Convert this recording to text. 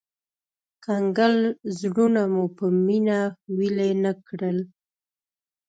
کنګل زړونه مو په مينه ويلي نه کړل